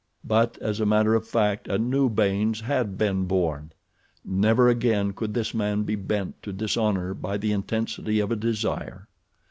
But, as a matter of fact, a new Baynes had been born. Never again could this man be bent to dishonor by the intensity of a desire.